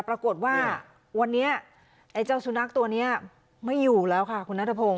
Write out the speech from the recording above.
ปรากฏว่าวันนี้ไอ้เจ้าสุนัขตัวนี้ไม่อยู่แล้วค่ะคุณนัทพงศ